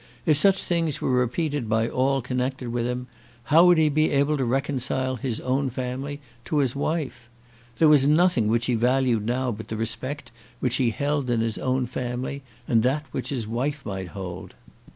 If such things were repeated by all connected with him, how would he be able to reconcile his own family to his wife? There was nothing which he valued now but the respect which he held in his own family and that which his wife might hold.